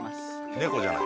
猫じゃない。